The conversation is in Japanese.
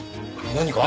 何か？